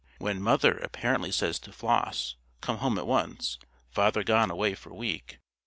When "~Mother~" apparently says to "~Floss~," "Come home at once. Father gone away for week.